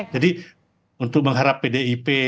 jadi untuk mengharap pdip